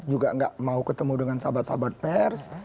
juga nggak mau ketemu dengan sahabat sahabat pers